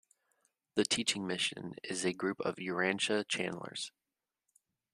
The Teaching Mission is a group of Urantia channellers.